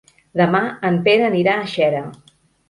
Demà en Pere anirà a Xera.